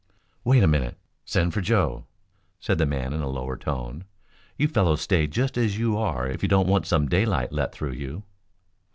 "Wait a minute. Send for Joe," said the man in a lower tone. "You fellows stay just as you are if you don't want some daylight let through you."